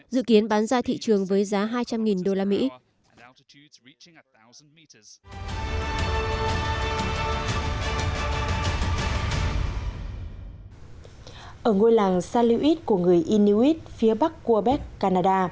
dự kiến bán ra thị trường với giá hai trăm linh usd